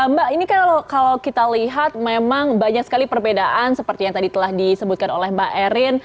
mbak ini kan kalau kita lihat memang banyak sekali perbedaan seperti yang tadi telah disebutkan oleh mbak erin